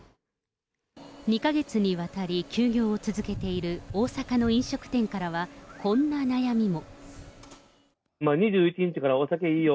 ２か月にわたり休業を続けている大阪の飲食店からは、こんな悩みも。